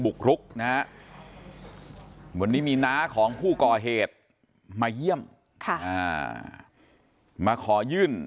บุกลุกนะวันนี้มีนาของผู้กฏเฮดมายี่้มมาขอยื่น